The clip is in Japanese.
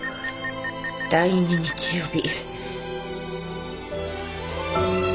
第２日曜日。